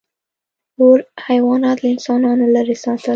• اور حیوانات له انسانانو لرې ساتل.